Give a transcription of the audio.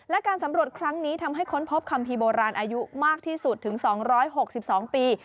และการสำรวจครั้งนี้ทำให้ค้นพบคัมภีร์โบราณอายุมากที่สุดถึง๒๖๒ปี